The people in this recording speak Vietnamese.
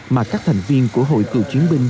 mà các thành viên của hội kiệu chiến binh